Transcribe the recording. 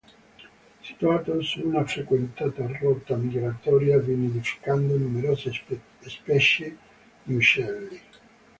Situato su una frequentata rotta migratoria, vi nidificano numerose specie di uccelli.